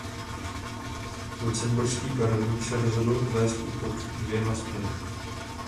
Lucemburský panovník se rozhodl vést útok dvěma směry.